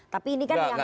tapi ini kan yang